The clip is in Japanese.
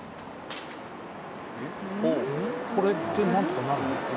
これでなんとかなる？